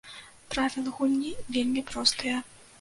Правілы гульні вельмі простыя.